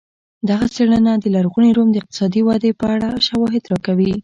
دغه څېړنه د لرغوني روم د اقتصادي ودې په اړه شواهد راکوي